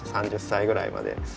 ３０歳くらいまで。